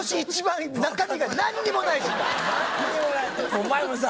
お前もさ。